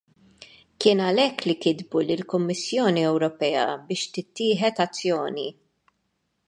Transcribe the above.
Kien għalhekk li kitbu lill-Kummissjoni Ewropea biex tittieħed azzjoni.